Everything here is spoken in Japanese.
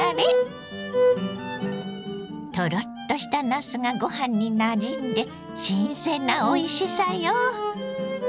トロッとしたなすがご飯になじんで新鮮なおいしさよ。